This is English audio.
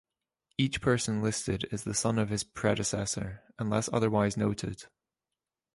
Each person listed is the son of his predecessor, unless otherwise noted.